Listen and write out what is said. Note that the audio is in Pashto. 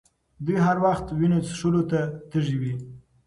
دوی هر وخت وینو څښلو ته تږي وي.